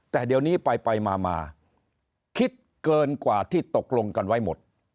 แต่เดี๋ยวนี้ไปมาคิดเกินกว่าที่ตกลงกันไว้หมด